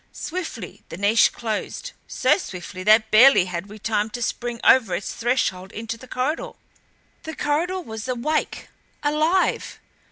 Swiftly the niche closed so swiftly that barely had we time to spring over its threshold into the corridor. The corridor was awake alive!